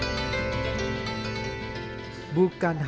bukan hanya pelukis seperti hermin yang turut andil melestarikan wayang beber